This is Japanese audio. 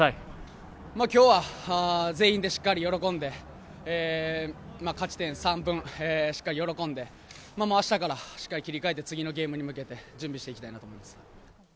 今日は全員でしっかり喜んで勝ち点３分しっかり喜んであしたからしっかり切り替えて次のゲームに向けて準備していきたいなと思います。